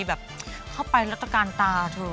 แบบเข้าไปรักษาการตาเธอ